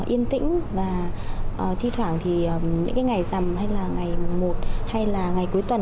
yên tĩnh và thi thoảng thì những cái ngày rằm hay là ngày một hay là ngày cuối tuần